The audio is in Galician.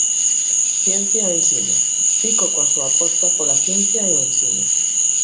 Ciencia e ensino Fico coa súa aposta pola ciencia e o ensino.